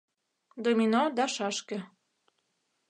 Домино да шашке